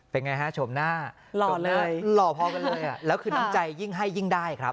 เป็นไงฮะฉมหน้าหล่อพอกันเลยอ่ะรอเลยและคือน้ำใจยิ่งให้ยิ่งได้